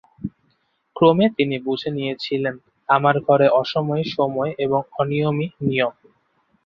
ক্রমে তিনি বুঝে নিয়েছিলেন আমার ঘরে অসময়ই সময় এবং অনিয়মই নিয়ম।